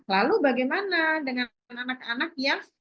lalu bagaimana dengan anak anak yang